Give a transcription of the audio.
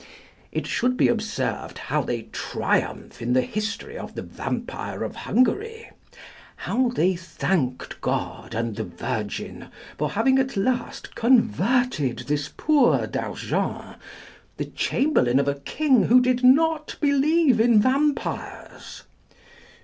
It should be observed how they triumph in the history of the vampire of Hungary; how they thanked God and the Virgin for having at last converted this poor d'Argens, the chamberlain of a king who did not believe in vampires.